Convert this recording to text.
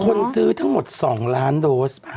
คนซื้อทั้งหมด๒ล้านโดส